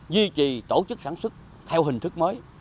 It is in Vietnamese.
duy trì tổ chức sản xuất theo hình thức mới